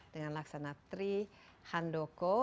dengan laksana tri handoko